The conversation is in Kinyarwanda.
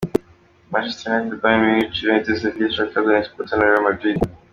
Manchester United: Bayern Munich, Juventus , Sevilla , Shakhtar Donestk , Porto na Real Madrid .